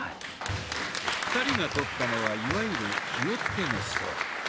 ２人がとったのはいわゆる「気をつけ」の姿勢。